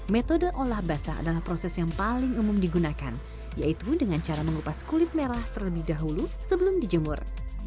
metode olah basah adalah proses yang paling umum digunakan yaitu dengan cara mengupas kulit merah terlebih dahulu sebelum dijemur